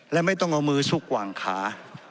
และไม่ต้องเอามือซุกกว่างขา